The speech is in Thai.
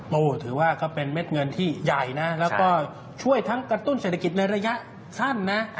โอ้โหถือว่าก็เป็นเม็ดเงินที่ใหญ่นะแล้วก็ช่วยทั้งกระตุ้นเศรษฐกิจในระยะสั้นนะ